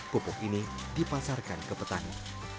pupuk ini dipasarkan ke petani